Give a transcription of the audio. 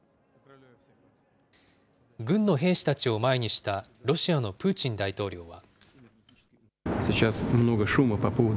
軍の兵士たちを前にしたロシアのプーチン大統領は。